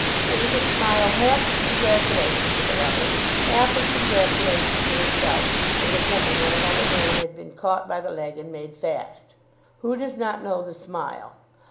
It was a smile half of congratulation to the lover, half of congratulation to herself as a woman that another man had been caught by the leg and made fast. Who does not know the smile?